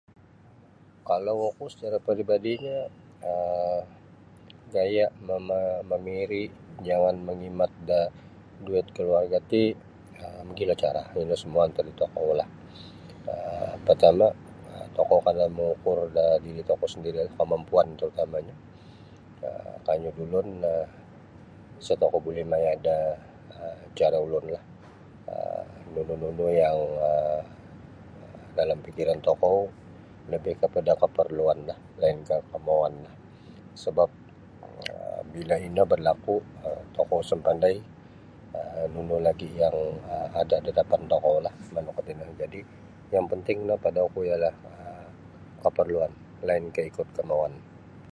Kalau oku secara peribadinyo um gaya mama mamiri jangan mangimat da duit keluarga ti um mogilo cara ino semua antad di tokoulah um partama tokou kana mangukur da diri tokou sandirilah kamampuan tarutamanyo kanyu da ulun sa tokou buli maya da cara ulun nunu nunu yang dalam pikiran tokou lebih kepada keperluanlah lainkah kemahuanlah sebap bila ino berlaku tokou sa mapandai nunu nunu perkara yang berlaku da dapan tokoulah yang penting no pada oku ialah keperluan lainkah ikut kemahuan.